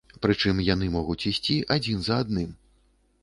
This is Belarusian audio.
Прычым яны могуць ісці адзін за адным.